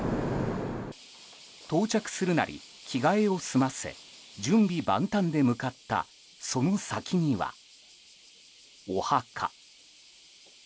到着するなり、着替えを済ませ準備万端で向かったその先には、お墓。